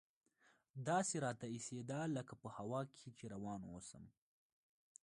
داسې راته اېسېده لکه په هوا کښې چې روان اوسم.